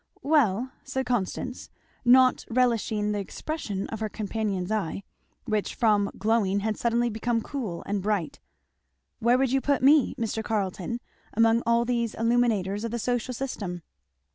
"Well," said Constance, not relishing the expression of her companion's eye, which from glowing had suddenly become cool and bright, "where would you put me, Mr. Carleton, among all these illuminators of the social system?"